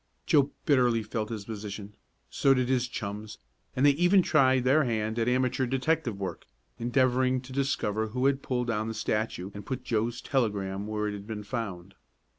Joe bitterly felt his position. So did his chums, and they even tried their hand at amateur detective work, endeavoring to discover who had pulled down the statue and put Joe's telegram where it had been found.